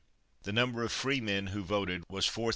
The number of freemen who voted was 4401.